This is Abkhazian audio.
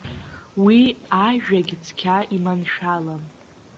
Уи ажәагь цқьа иманшәалам.